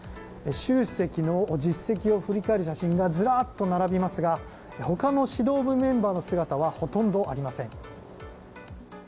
習主席の実績を振り返る写真がずらっと並びますが他の指導部メンバーの姿はほとんどありません。